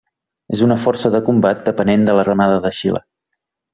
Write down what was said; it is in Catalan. És una força de combat depenent de l'Armada de Xile.